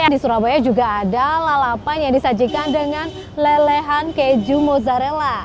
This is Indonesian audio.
di surabaya juga ada lalapan yang disajikan dengan lelehan keju mozzarella